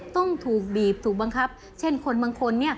ต้องถูกบีบถูกบังคับเช่นคนบางคนเนี่ย